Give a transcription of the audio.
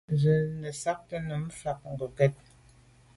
Nzwe nesagte num mfà ngokèt.